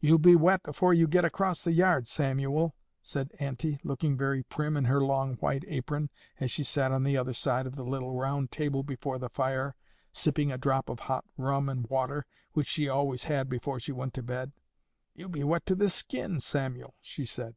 'You'll be wet afore you get across the yard, Samuel,' said auntie, looking very prim in her long white apron, as she sat on the other side of the little round table before the fire, sipping a drop of hot rum and water, which she always had before she went to bed. 'You'll be wet to the skin, Samuel,' she said.